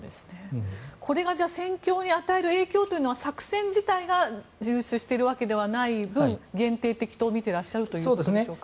これが戦況に与える影響というのは作戦自体が流出しているわけではない分限定的と見ていらっしゃるということでしょうか。